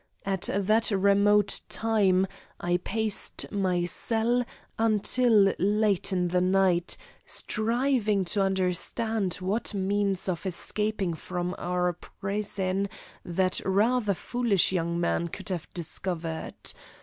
At that remote time I paced my cell until late in the night, striving to understand what means of escaping from our prison that rather foolish young man could have discovered.